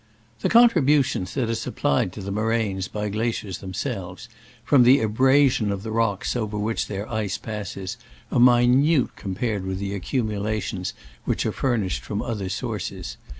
The contributions that are supplied to moraines by glaciers themselves, from the abrasion of the rocks over which their ice passes, are minute compared with the accumulations which are fur nished from other sources.